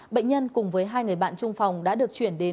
bệnh nhân cùng với hai người bạn trung phòng đã được chuyển đến